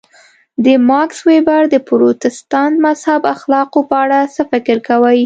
د ماکس وېبر د پروتستانت مذهب اخلاقو په اړه څه فکر کوئ.